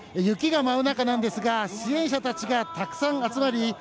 雪が舞う中なんですが支援者たちがたくさん集まり